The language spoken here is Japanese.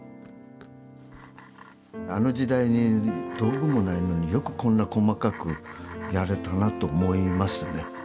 あの時代に道具もないのによくこんな細かくやれたなと思いますね。